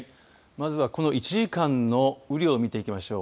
まずはこの１時間の雨量を見ていきましょう。